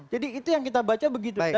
itu yang kita baca begitu